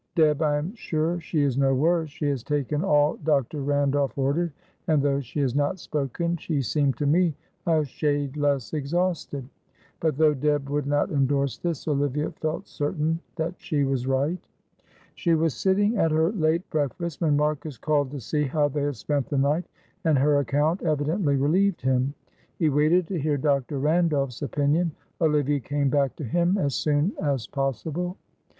Deb, I am sure she is no worse; she has taken all Dr. Randolph ordered, and though she has not spoken, she seemed to me a shade less exhausted;" but, though Deb would not endorse this, Olivia felt certain that she was right. She was sitting at her late breakfast, when Marcus called to see how they had spent the night. And her account evidently relieved him. He waited to hear Dr. Randolph's opinion. Olivia came back to him as soon as possible.